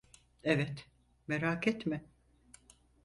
Evet, merak etme.